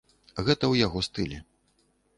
Гэта ў яго стылі.